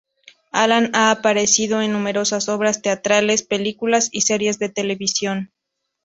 Alan ha aparecido en numerosas obras teatrales, películas y series de televisión.